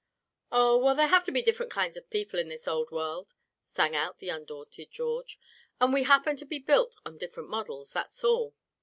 "Oh! well, there have to be different kinds of people in this old world," sang out the undaunted George, "and we happen to be built on different models, that's all.